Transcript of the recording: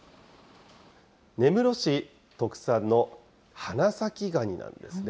根室市特産の花咲ガニなんですね。